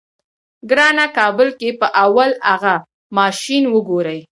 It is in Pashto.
ګرانه کابل کې به اول اغه ماشين وګورې.